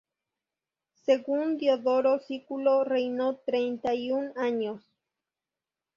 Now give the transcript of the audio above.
Según Diodoro Sículo reinó treinta y un años.